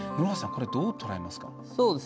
室橋さんはこれ、どう捉えますか。